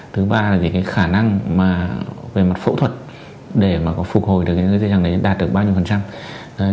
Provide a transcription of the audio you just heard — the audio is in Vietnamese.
thứ ba là khả năng về mặt phẫu thuật để phục hồi được những dây chẳng này đạt được bao nhiêu phần trăm